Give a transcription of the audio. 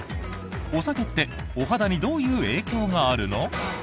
お酒ってお肌にどういう影響があるの？